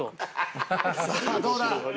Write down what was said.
さあどうだ？